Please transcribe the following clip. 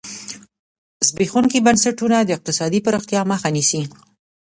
زبېښونکي بنسټونه د اقتصادي پراختیا مخه نیسي.